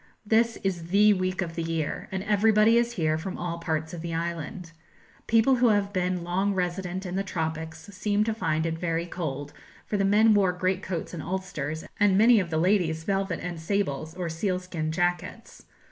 This is the week of the year, and everybody is here from all parts of the island. People who have been long resident in the tropics seem to find it very cold; for the men wore great coats and ulsters, and many of the ladies velvet and sables, or sealskin jackets.